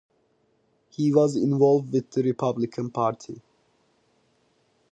He was involved with the Republican Party.